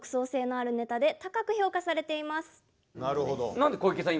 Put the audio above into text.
なんで小池さん